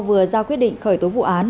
vừa giao quyết định khởi tố vụ án